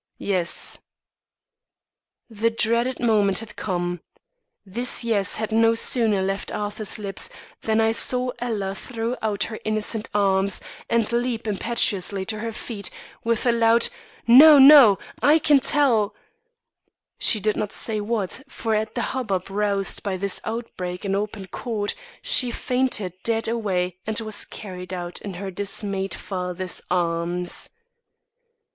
"Yes." The dreaded moment had come. This "Yes" had no sooner left Arthur's lips than I saw Ella throw out her innocent arms, and leap impetuously to her feet, with a loud "No, no, I can tell " She did not say what, for at the hubbub roused by this outbreak in open court, she fainted dead away and was carried out in her dismayed father's arms.